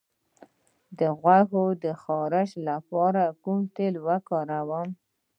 د غوږ د خارش لپاره کوم تېل وکاروم؟